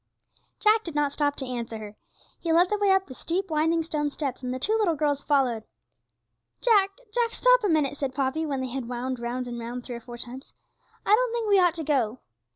Jack did not stop to answer her; he led the way up the steep, winding stone steps, and the two little girls followed. 'Jack, Jack, stop a minute!' said Poppy, when they had wound round and round three or four times; 'I don't think we ought to go.'